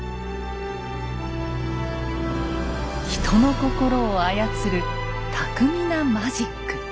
人の心を操る巧みなマジック。